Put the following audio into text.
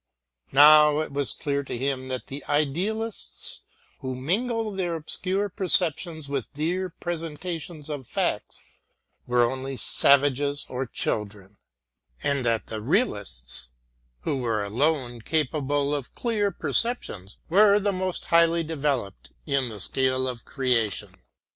Now it was clear to him that the idealists who mingle their obscure perceptions with dear presentations of facts were only savages or children, and that the realists, who were alone capable of clear perceptions, were the most highly developed in the scale of creation.